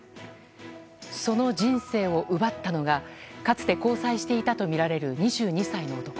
その人生を奪ったのがかつて交際していたとみられる２２歳の男。